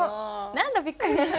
何だびっくりした。